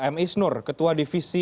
m isnur ketua divisi